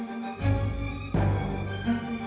saya sudah langsung yuk rottenya